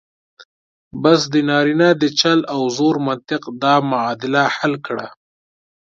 بس د نارینه د چل او زور منطق دا معادله حل کړه.